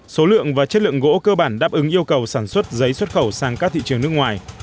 số lượng và chất lượng gỗ cơ bản đáp ứng yêu cầu sản xuất giấy xuất khẩu sang các thị trường nước ngoài